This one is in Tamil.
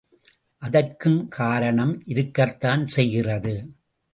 அதற்கும் காரணம் இருக்கத்தான் செய்கிறது.